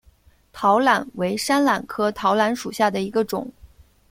桃榄为山榄科桃榄属下的一个种。